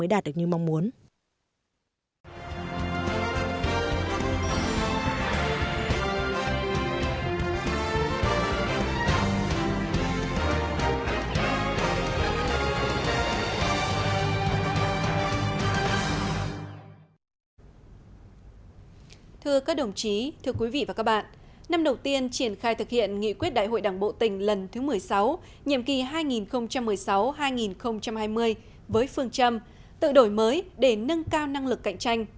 là một điều mong muốn